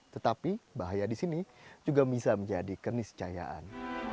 tetapi bahaya di sini juga bisa menjadi kernis cayaan